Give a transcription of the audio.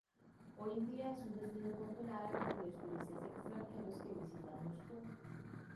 Hoy en día es un destino popular entre los turistas extranjeros que visitan Moscú.